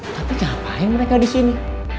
tapi ngapain mereka disini